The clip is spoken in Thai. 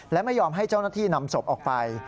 และไม่ยอมให้เจ้าหน้าที่นำศพออกไป